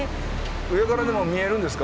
上からでも見えるんですか？